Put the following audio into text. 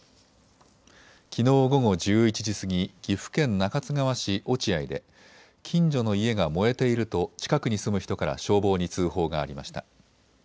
きのう午後１１時過ぎ岐阜県中津川市落合で近所の家が燃えていると近くに住む人から消防に通報がありました。